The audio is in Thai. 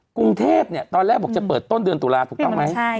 กรุงเทพเนี่ยตอนแรกบอกจะเปิดต้นเดือนตุลาถูกต้องไหม